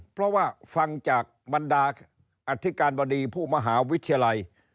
เพราะว่าฟังจากบรรดาอธิการบดีผู้มหาวิทยาลัย